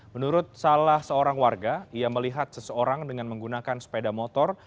menurut salah seorang warga ia melihat seseorang dengan menggunakan sepeda motor